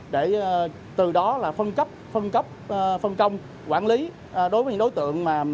để từ đó là phân cấp phân công quản lý đối với những đối tượng